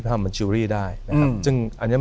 พระมันชิวรีได้นะครับ